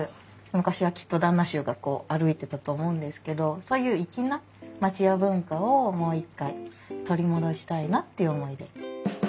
昔はきっと旦那衆が歩いてたと思うんですけどそういう粋な町家文化をもう一回取り戻したいなっていう思いで。